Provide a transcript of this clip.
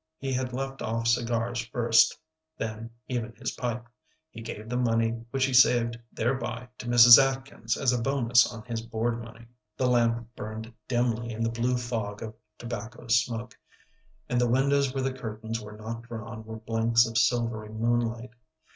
He had left off cigars first, then even his pipe. He gave the money which he saved thereby to Mrs. Atkins as a bonus on his board money. The lamp burned dimly in the blue fog of tobacco smoke, and the windows where the curtains were not drawn were blanks of silvery moonlight.